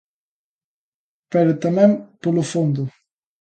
Pero tamén polo fondo.